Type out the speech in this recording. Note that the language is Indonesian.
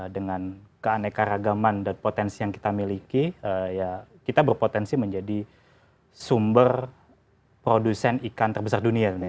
dengan keanekaragaman dan potensi yang kita miliki ya kita berpotensi menjadi sumber produsen ikan terbesar dunia